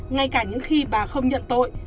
ngay cả những khi bà không nhận tội